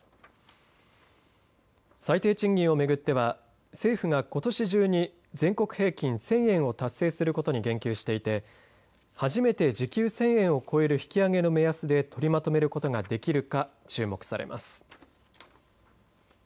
最低賃金を巡っては政府がことし中に全国平均１０００円を達成することに言及していて初めて時給１０００円を超える引き上げの目安で取りまとめることができるか注目されます。